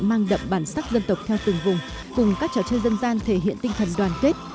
mang đậm bản sắc dân tộc theo từng vùng cùng các trò chơi dân gian thể hiện tinh thần đoàn kết